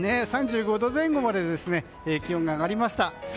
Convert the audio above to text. ３５度前後まで気温が上がりました。